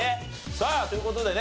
さあという事でね